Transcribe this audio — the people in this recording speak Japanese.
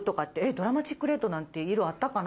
ドラマチックレッドなんて色あったかな？」